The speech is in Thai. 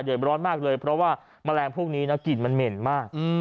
ร้อนมากเลยเพราะว่าแมลงพวกนี้นะกลิ่นมันเหม็นมาก